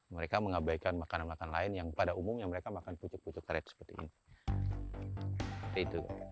mereka mengabaikan makanan makanan lain yang pada umumnya mereka makan pucuk pucuk karet seperti ini